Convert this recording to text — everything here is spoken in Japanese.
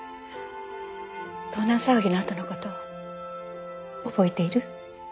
盗難騒ぎのあとの事を覚えている？